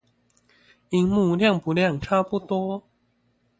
螢幕亮不亮差不多